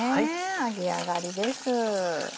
揚げ上がりです。